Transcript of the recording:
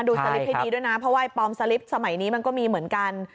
สลิปให้ดีด้วยนะเพราะว่าไอปลอมสลิปสมัยนี้มันก็มีเหมือนกัน